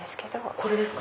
これですか？